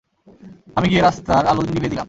আমি গিয়ে রাস্তার আলো নিভিয়ে দিলাম।